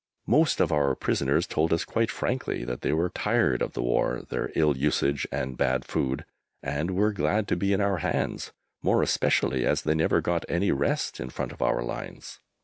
Most of our prisoners told us quite frankly that they were tired of the war, their ill usage, and bad food, and were glad to be in our hands, more especially as they never got any rest in front of our lines.